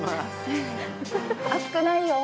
熱くないの？